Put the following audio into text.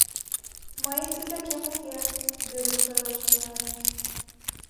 — Мыйын титакем уке, — Веруш ойлаш тӱҥале...